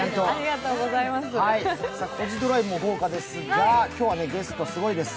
「コジドライブ」も豪華ですが、今日はゲストすごいです。